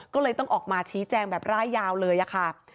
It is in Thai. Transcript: ก็เลยต้องออกมาชี้แจงแบบร่ายยาวเลยค่ะ